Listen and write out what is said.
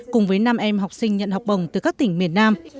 cùng với năm em học sinh nhận học bổng từ các tỉnh miền nam